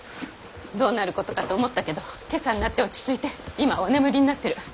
どうなることかと思ったけど今朝になって落ち着いて今はお眠りになってる。